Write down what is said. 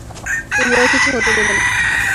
তোমারও কিছু হতে দেবো না।